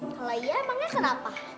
kalau iya emangnya kenapa